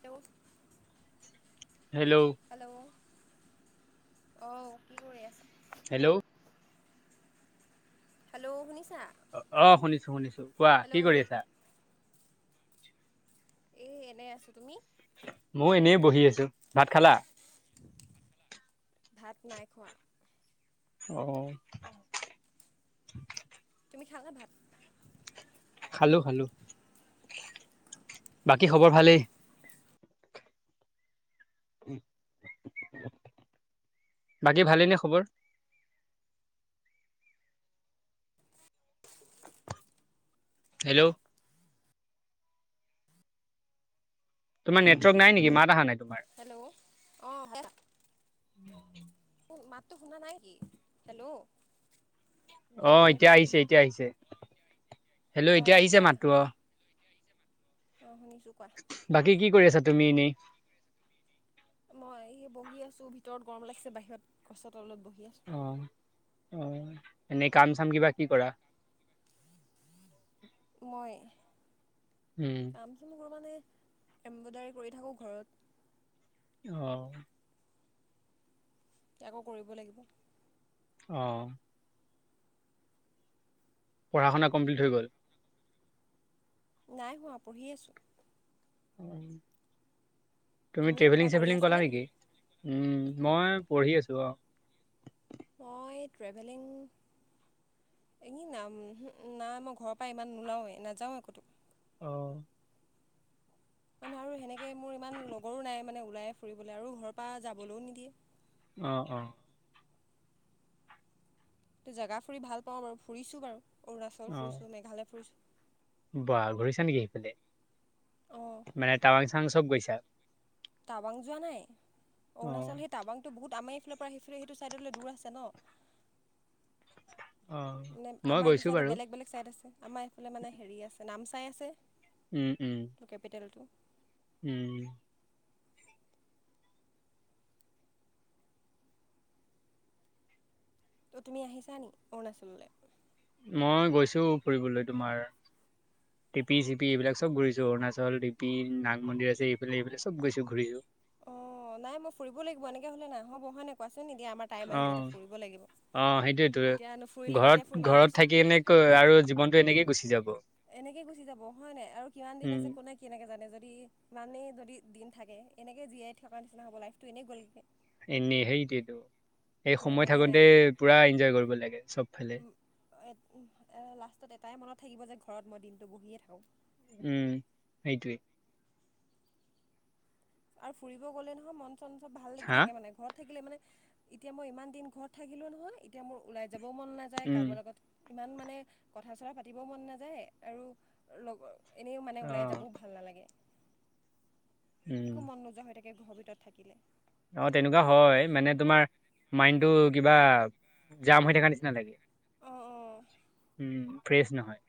তেওঁব [unintelligible] hello অ কি কৰি আছে? হেল্ল' হেল্ল' শুনিছা! অ অ শুনিছোঁ শুনিছোঁ কোৱা হেল্ল' কি কৰি আছা? এ এনেই আছোঁ তুমি মই এনেই বহি আছোঁ ভাত খালা? ভাত নাইখোৱা? অ তুমি খালে ভাত? খালোঁ খালোঁ বাকী খবৰ অঁ অঁ ভালেই উম [unintelligible] বাকী ভালেইনে খবৰ? [unintelligible] [unintelligible] হেল্ল' তোমাৰ নেটৱৰ্ক নাই নেকি মাত অহা নাই তোমাৰ হেল্ল' আহ শুনা নাই কি হেল্ল' অ হেল্ল' এতিয়া আহিছে এতিয়া আহিছে হেল্লো এতিয়া অঁ আহিছে মাটতো অ অ শুনিছো বাকী কি কৰি আছা তুমি এনেই মই স বহি আছো ভিতৰত গৰম লাগিছে বাহিৰত গছ তলত বহি আছো। অ অ এনেই কাম চাম কিবা কি কৰা মই উম কামচোন কবানে [unintelligible] এমব্ৰইডাৰী কৰি থাকোঁ ঘৰত আহ। আকো কৰিব লাগিব আহ পঢ়া শুনা কমপ্লিট হৈ গ'ল। নাই হোৱা পঢ়ি আছো তুমি তুমি কিবা ট্ৰেভেলিং কৰি চেভেলিং কৰা আছানে নেকি উম মই পঢ়ি আছো আৰু। মই ট্ৰেভেলিং এ নাম নাই মই ঘৰৰ পৰা ইমান নোলাওৱে নাযাও একো তোক [unintelligible] অ মানে আৰু সেনেকে মোৰ ইমান লগৰো নাই মানে ওলাই ফুৰিবলৈ আৰু ঘৰৰ পৰা যাবলৈও নিদিয়ে। অ অ ত জেগা ফুৰি ভাল পাওঁ বাৰু ফুৰিছোঁ বাৰু অৰুণাচল ফুৰিছোঁ মেঘালয় ফুৰিছোঁ ব ঘূৰিছা নেকি সেইফালে অঁ মানে টাৱাং চাং চব গৈছা। টাবাং যোৱা নাই অ অৰুণাচল সেই টাবাংতটো বহুত আমি সফালৰ পৰা সেইফালে সেইটো চাইডলৈ দূৰ আছে ন। অ মানে মই আমাৰ এইটো গৈছো চাইডে বাৰু বেলেগ বেলেগ চাইড আছে আমাৰ এইফালে মানে হেৰি আছে ন চাই আছে উম উম ত কেপিটেলটো উম ত' তুমি আহিছা নি অৰুনাচনলে মই গৈছো ফুৰিবলৈ তোমাৰ। টিপি চিপি এইবিলাক চব ঘূৰিছো, অৰুণাচল টিপি নাগ মন্দিৰ আছে এইফালে এইফালে চব গৈছো ঘূৰিছো। [unintelligible] অ' নাই মই ফুৰিব লাগিব এনেকে হলে নাই [unintelligible] নিদিয়ে আমাৰ টাইম অ আহিছে এতিয়া ফুৰিব অ সেইটোয়েতো লাগিব। এতিয়া নুফুৰিলে ঘৰত কেতিয়া ফুৰিম আৰু ঘৰত থাকি এনেকৈ পিছত আৰু জীৱনতটো এনেকে গুচি যাব। এনেকে গুচি যাব হয় নাই আৰু কিমান দিন উম আছে কোনে কেনেকে জানে যদি ইমান মনে যদি দিন থাকে এনেকে জীয়াই থকাৰ নিচিনা হ'ব লাইফটো এনেই গলগে। এনে সেইটোৱেটো। সেই সময় মেমৰিয়ে নাই থাকোতে পুৰা এনজয় কৰিব লাগে চবফালে। লাষ্টত এটাই মনত থাকিব যে ঘৰত মই দিনটো বহিয়ে থাকো। উম, সেইটোৱে। আৰু ফুৰিব গ'লে নহয় মন চন চব ভাল লাগি হা থাকে মানে ঘৰত থাকিলে মানে এতিয়া মই ইমান দিন ঘৰত থাকিলো নহয় এতিয়া মোৰ ওলাই যাবও মন নাযায়, উম কাৰোবাৰ লগত ইমান মানে কথা চথা পাতিব মন নাযায় আৰু লগৰ‌ এনেইও মানে অ ওলাই যাব ভাল নালাগে। উম একো মন নোযোৱা হৈ থাকে ঘৰৰ ভিতৰত থাকিলে। অ' তেনেকুৱা হয় মানে তোমাৰ মাইণ্ড টো কিবা জাম হৈ থকা নিচিনা লাগে। অঁ অঁ উম ফ্ৰেছ নহয়।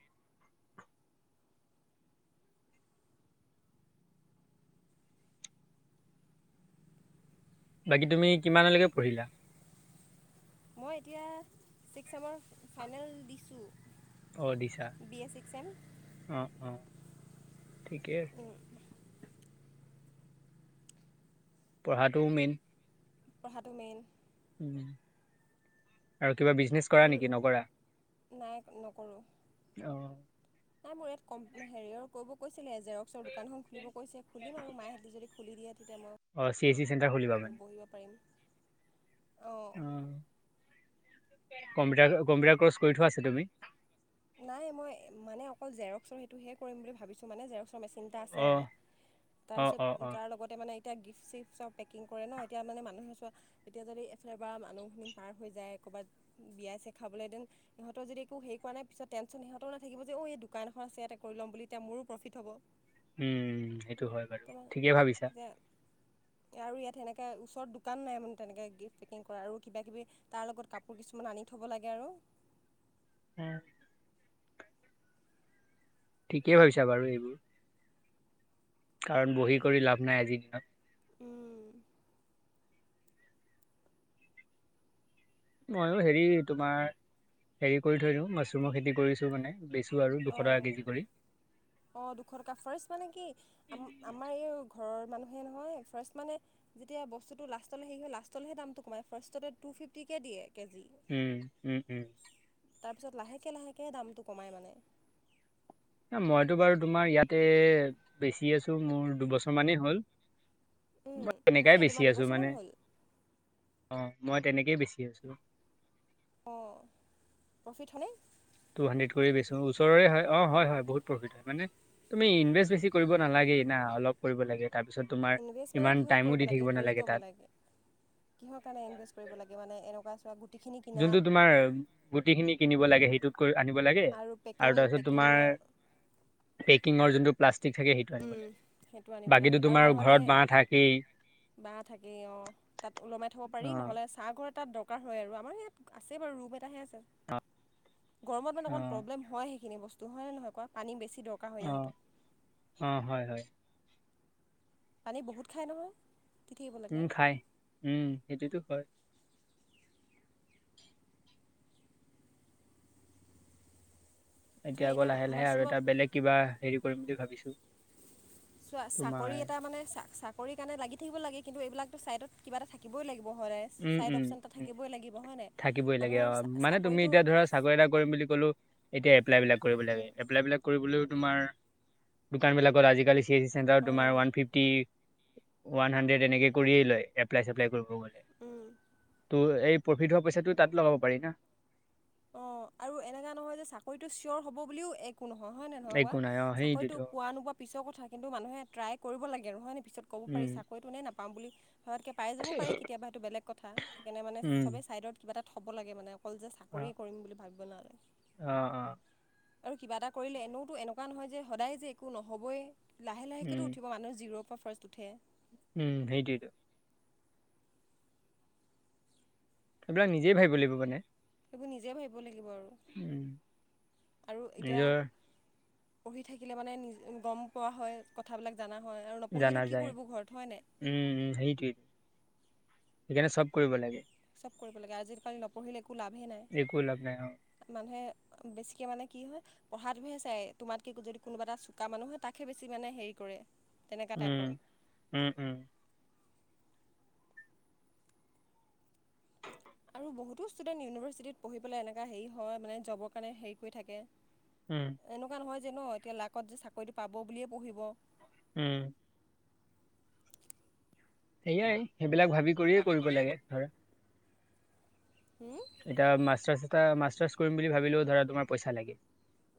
বাকী তুমি কিমানলৈকে পঢ়িলা? মই এতিয়া ছিক্স চেমৰ ফাইনেল দিছোঁ। অ দিছা বি এ ছিক্স চেম অ‌' অ'। ঠিকেই আছে। পঢ়াটোও মেইন। পঢ়াটো মেইন। উ আৰু কিবা বিজনেচ কৰা আৰু নেকি নকৰা? নাই নকৰো অ নাই মোৰ ইয়াত কম হেৰিওৰ কৰিব কৈছিলে জেৰক্সৰ দোকানখন খুলিব কৈছে খুলিম আৰু মা হঁতি যদি খুলি দিয়ে তেতিয়া মই অ চি এছ চেণ্টাৰ খুলিবা মানে, বহিব পাৰিম অঁ অ। কম্পিউটাৰ - কম্পিউটাৰ কৰ্চ কৰি থোৱা আছে তুমি? নাই মই মানে অকল জেৰক্সৰ সেইটো হে কৰিম বুলি ভাবিছো মানে জেৰক্সৰ মেচিন তিনটা আছে অ মানে অ তাৰপিছত অ অ তাৰ লগতে মানে এতিয়া গিফ্ট চিফট চব পেকিং কৰে ন এতিয়া মানে মানুহে চোৱা এতিয়া যদি এইফালৰ পৰা মানুহখিনি পাৰ হৈ যায় ক'ৰবাত বিয়া ছিয়া খাবলৈ‌ ডেন সিহঁতৰ যদি একো হেৰি কৰা নাই পিছত টেনচন সিহঁতৰো নাথাকিব যে অ এই দোকান এখন আছে ইয়াতে কৰি ল'ম বুলি ‌তেতিয়া মোৰো প্ৰফিট হ'ব। উম, সেইটো হয় বাৰু তোমাৰ ঠিকেই ভাবিছা। এতিয়া আৰু ইয়াত সেনেকা ওচৰত দোকান নাই মানে তেনেকে গিফ্ট পেকিং কৰা আৰু কিবা কিবি তাৰ লগত কাপোৰ কিছুমান আনি থ'ব লাগে আৰু। উম। ঠিকেই ভাবিছা বাৰু এইবোৰ। কাৰণ বহি কৰি লাভ নাই আজিৰ দিনত। উম। ময়ো হেৰি তোমাৰ হেৰি কৰি থৈ দিও মাছৰুমৰ খেতি কৰিছো মানে বিছ অ, অ দুশ টকা ফাৰ্ষ্ট মানে কি আম - আমাৰ এও ঘৰৰ মানুহে নহয় ফাৰ্ষ্ট মানে যেতিয়া বস্তুটো লাষ্ট লে হেৰি হয় লাষ্টলেহে দামটো কমাই ফাৰ্ষ্টটে টূ ফিফটি কে দিয়ে কেজি। উম, উম উম। তাৰপিছত লাহেকে লাহেকে দামটো কমাই মানে। এ মইতো বাৰু তোমাৰ ইয়াতে বেচি আছো মোৰ দুবছৰ মানেই হ'ল। উম মই হয় তেনেকাই নি তোমাৰ বেচি আছো দুবছৰমান মানে। হ'ল অ' মই তেনেকে বেছি আছোঁ। অ প্ৰফিট হয়নে? টু হাড্ৰেড কৰি বেছো ওচৰৰে হয় অ হয় হয় বহুত প্ৰফিট হয় মানে তুমি ইনভেছ বেছি কৰিব নালাগে। ই না অলপ কৰিব লাগে তাৰপিছত তোমাৰ ইনভেষ্ট মানে ইমান কিহত টাইমো কৰিব দি লাগে থাকিব হেৰি নালাগে কব তাত লাগে কিহৰ কাৰণে ইনভেষ্ট কৰিব লাগে মানে এনেকুৱা চোৱা গুটিখিনি যোনটো কিনাত তোমাৰ গুটি খিনি কিনিব লাগে সেইটো কৰি আনিব লাগে পেকিং আৰু তাৰ পিছত তোমাৰ পেকিঙৰ পেকিঙৰ যোনট প্লাছ থাকে সেইটো আনিব সেইটো লাগে আনিব বাকীটো তোমাৰ ঘৰত বাহ থাকেই বা থাকেই অ তাত ওলমাই থব অ', পাৰি নহলে চাহ ঘৰত তাত দৰকাৰ হয় আৰু আমাৰ ইয়াত আছে বাৰু ৰূম এটাহে গৰমত মানে অকমান অ', প্ৰব্লেম হয় সেইখিনি বস্তু হয়নে নহয় কোৱা পানী বেছি দৰকাৰ হয় অ', ইহঁতক অ হয় হয়। পানী বহুত খায় নহয়। দি থাকিব লাগে উম খাই উম, সেইটোতো হয়। এতিয়া তুমি আকৌ এনে লাহে লাহে আৰু মাছৰুমত এটা বেলেগ কিবা হেৰি কৰিম বুলি ভাবিছো। চোৱা চাকৰি এটা মানে চাকৰি কাৰণে লাগি থাকিব লাগে কিন্তু এইবিলাকটো চাইডত কিবা এটা থাকিবই লাগিব উম, ছাইড উম, অপচন এটা উম, থাকিবই লাগিব হয় নাই থাকিবই লাগে অ', মানুহৰ মানে তুমি চাকৰিটো এতিয়া ধৰা চাকৰি এটা কৰিম বুলি কলো এতিয়া এপ্লাই বিলাক কৰিব লাগে এপ্লাই বিলাক কৰিবলৈ তোমাৰ দোকান বিলাকত আজিকলি চি এছ চি চেণ্টাৰত তোমাৰ ওৱান অঁ ফিফটি ওৱান হান্দ্ৰেদ এনেকে কৰিয়ে লয় এপ্লায় চেপ্লাই কৰিব গ'লে। উম। ঔ এই প্ৰফিট হোৱা পইচাটো তাত লগাব পাৰি না অ আৰু এনেকা নহয় যে চাকৰিটো চিয়ৰ হ'ব বুলিও এক একো নহয় হয় নে নহয় কোৱা একো নাই অ', চাকৰিটো সেইটোতো পোৱা নোপোৱা পিছৰ কথা কিন্তু মানুহে ট্ৰাই কৰিব লাগে হয়নে? পিছত ক'ব পাৰি উম। চাকৰিতটো নেপাম বুলি ভবাতকৈ পাই যাব পাৰি কেতিয়াবা এইটো বেলেগ কথা সেইকাৰণে মানে ছবেই উম, ছাইডত কিবা এটা থ'ব লাগে মানে অকল যে কৰি কৰিম বুলি ভাবিব নালাগে। অ-অ আৰু কিবা এটা কৰিলে এনেওতো এনেকুৱা নহয় যে সদায় যে একো নহবই লাহে উম। লাহেকৈতো উঠিব মানুহ জিৰৌ পৰা ফাৰ্ষ্ট উঠে। উম সেইটোৱেটো সেইবিলাক নিজেই ভাবিব লাগিব মানে। সেইবোৰ নিজে ভাবিব লাগিব আৰু। উম, আৰু এতিয়া নিজৰ পঢ়ি থাকিলে মানে নিজে গম পোৱা হয় কথাবিলাক জানা হয় আৰু নপঢ়িনো জানা কি যায় কৰিব ঘৰত হয় নাই উম উ সেইটোৱেই সেইকাৰণে চব কৰিব লাগে৷ কৰিব লাগে আজিকালি নপঢ়িলে একো লাভেই নাই একো লাভ নাই অ, মানুহে বেছিকে মানে কি হয় পঢ়াটোহে চাই তোমাতকে যদি কোনোবা এটা চোকা মানুহ হয় তাকে বেছি মানে হেৰি কৰে তেনেকুৱা টাইপৰ উম-উম-উম আৰু বহুতো ষ্টুডেণ্ট ইউনিভাৰ্চিটিত পঢ়ি পেলাই এনেকা হেৰি হয় মানে জবৰ কাৰণে হেৰি কৰি থাকে৷ উম, এনেকুৱা নহয় যে ন এতিয়া লাকত যে চাকৰিটো পাব বুলিয়ে পঢ়িব উম সেয়াই সেইবিলাক ভাবি কৰিয়ে কৰিব লাগে ধৰা হুম এতিয়া মাষ্টাৰছ এটা মাষ্টাৰ কৰিম বুলি ভাবিলেও ধৰা তোমাৰ পইচা লাগে৷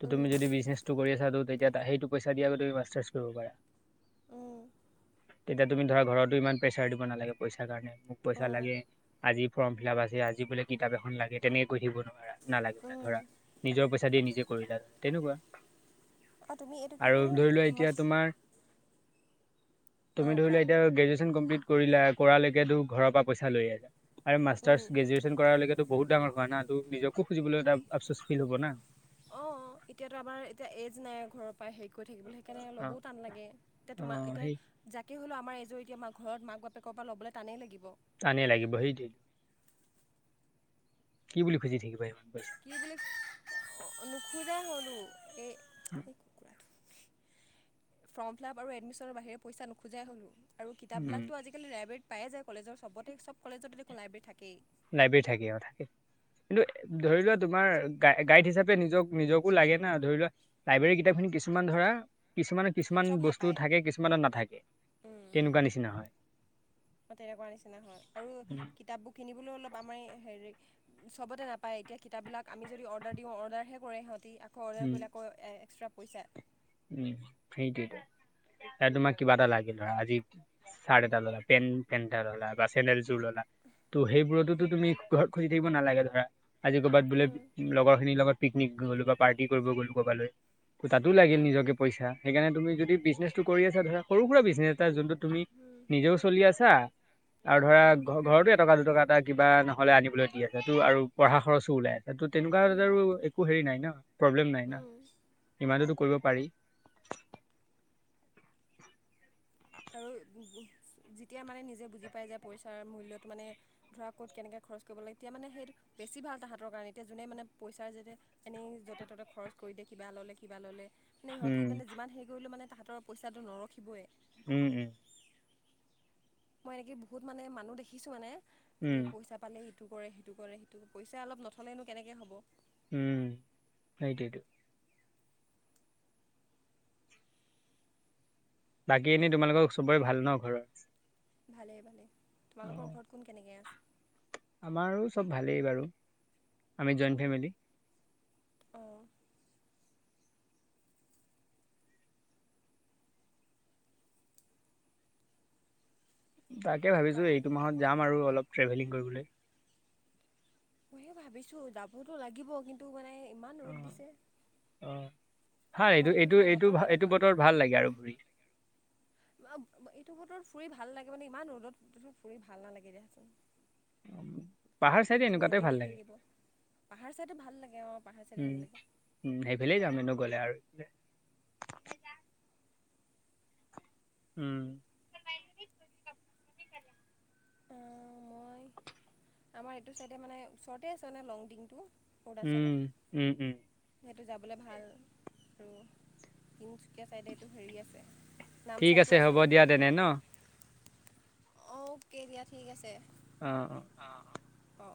ত' উম তুমি যদি বিজনেচটো কৰি আছা তেতিয়া সেইটো পইচা দিয়াকে তুমি মাষ্টাৰ্চ কৰিব পাৰা৷ উ তেতিয়া তুমি ধৰা ঘৰতো ইমান প্ৰেছাৰ দিব নালাগে পইচাৰ কাৰণে মোক পইচা অঁ লাগে আজি ফৰ্ম ফিল আাপ আছে আজি বোলে কিতাপ এখন লাগে তেনেকে কৈ থাকিব নোৱাৰা নালাগে মানে ধৰা নিজৰ পইচা দি নিজে কৰিলা তেনেকুৱা তুমি এইটো কি কয় আৰু ধৰি লোৱা মাছ এতিয়া তোমাৰ তুমি অঁ ধৰি কোৱা লোৱা এতিয়া গ্ৰেজুৱেচন কমপ্লিট কৰিলা, কৰালৈকে তো ঘৰৰ পৰা পইচা লৈ আছা৷ আৰু উম মাষ্টাৰছ গ্ৰেজু টো বহুত ডাঙৰ হয় না তো নিজকো খুজিবলৈ এটা আফচোচ ফিল হব না। অঁ এতিয়াতো আমাৰ এতিয়া এজ নাই ঘৰৰ পৰা হেৰি কৰি থাকিবলৈ সেইকাৰণে অ ল'বও টান লাগে এতিয়া অ তোমা এতিয়া সেই যাকে হলেও আমাৰ এইটো এতিয়া মাক ঘৰত মাক বাপেকৰ পৰা লবলে টানেই লাগিব। টানেই লাগিব সেইটোৱে, কি বুলি খুজি থাকিবা এই কি বুলি নুখুজাই হলো এই ফ্ৰম ফিলআপ আৰু এডমিছনৰ বাহিৰে পইচা নোখোজাই হ'লোঁ আৰু উম কিতাপবিলাকতো আজিকালি লাইব্ৰেৰীত পায়ে যায় কলেজৰ চবতে চব কলেজতে লাইব্ৰেৰী থাকেই। লাইব্ৰেৰী থাকে অ' থাকে। কিন্তু ধৰি লোৱা তোমাৰ গা গাইড হিচাপে নিজক - নিজকো লাগে না ধৰি লোৱা লাইব্ৰেৰী কিতাপ খিনি কিছুমান ধৰা কিছুমানৰ কিছুমান চব বস্তু নাপায় থাকে কিছুমানত নাথাকে উম, উম। তেনেকুৱা নিচিনা হয়। তেনেকুৱা নিচিনা আৰু কিতাপবোৰ কিনিবলৈ অলপ আমাৰ হেৰি চবতে নাপায় এতিয়া কিতাপবিলাক আমি যদি অৰ্ডাৰ দিওঁ অৰ্ডাৰহে কৰে সিহঁত আকৌ অৰ্ডাৰ উম কৰিলে আকৌ এক্সট্ৰা পইচা৷ উম সেইটোৱেইটো। এতিয়া তোমাক কিবা এটা লাগে ধৰা আজি চাৰ্ট এটা ললা পেণ পেণ্ট এটা ললা বা চেন্দেল এজোৰ ললা ত' সেইবোৰতটো তুমি ঘৰত খুজি থাকিব নালাগে ধৰা। আজি ক'বাত বোলে লগৰ খিনিৰ লগত পিকনিক গ'লো বা পাৰ্টি কৰিব গ'লো ক'বালৈ ত তাতো লাগিল নি পইচা, সেইকাৰণে তুমি যদি বিজনেছটো কৰি আছা ধৰা সৰু সুৰা বিজনেছ এটা যোনটো তুমি নিজেও চলি আছা আৰু ধৰা ঘ ঘৰতো এটকা দুটকা এটা কিবা নহলে আনিবলৈ দি আছা টু আৰু পঢ়া খৰচো ওলাই আছে৷ এতো তেনেকুৱাত আৰু একো হেৰি নাই ন প্ৰব্লেম না ইমানতটো কৰিব পাৰি। [inaudible] আৰু যেতিয়া মানে নিজে বুজি পায় যে পইচাৰ মূল্যটো মানে ধৰা ক'ত কেনেকে খৰচ কৰিব লাগে তেতিয়া মানে সেইটো বেছি ভাল তাহাঁতৰ কাৰণে এতিয়া যোনেই মানে পইচা যাতে এনেই য'তে ত'তে খৰচ কৰি দিয়ে কিবা ল'লে কিবা ল'লে মানে ইহঁতি উম মানে যিমান হেৰি কৰিলোঁ মানে তাহাঁতৰ পইচাটো নৰখিবই উম উম। মই এনেকে বহুত মানে মানুহ দেখিছোঁ মানে উম পইচা পালে ইটো কৰে সেইটো কৰে সেইটো পইচা অলপ নথলেনো কেনেকে হ'ব। উম, সেইটোৱেটো। বাকী এনে তোমালোকৰ চবৰে ভাল ন ঘৰৰ? ভালেই ভালেই তোমালোকৰ অ ঘৰত কোন কেনেকে আছে? আমাৰো চব ভালেই বাৰু আমি জইণ্ট ফেমিলি। অ'। তাকে ভাবিছোঁ কাৰ এইটো মাহত যাম আৰু অলপ ট্ৰেভেলিং কৰিবলৈ। মইহে ভাবিছোঁ যাবতো লাগিব কিন্তু মানে ইমান ৰ'দ দিছে। হয় এইটো - তোমালোকৰ এইটো সেইফালে - এইটো বতৰ - এইটো কেনেকুৱা বতৰ ভাল লাগে আৰু ঘূৰি। এইটো বতৰত ফুৰি ভাল লাগে মানে ইমান ৰ'দত ফুৰি ভাল নালাগে দিয়াচোন। পাহাৰ চাইডে দিনটো এনেকুৱাতে ৰ'দেই দি ভাল লাগে। থাকিব পাহাৰ চাইডে ভাল লাগে অঁ পাহাৰ চাইডে উম ভাল লাগে উ সেইফালেই যাম এনেও গ'লে আৰু [unintelligible] উম। মই আমাৰ এইটো চাইডে মানে ওচৰতে আছে নে লংডিংটো উম, উম উম যিহেতু যাবলৈ ভাল আৰু তিনিচুকীয়া চাইডে এইটো হেৰি আছে ঠিক আছে হ'ব দিয়া তেনে ন? অ'কে দিয়া ঠিক আছে। অ' অ'। অ'।